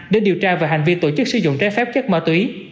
để điều tra về hành vi tổ chức sử dụng trái phép chất ma túy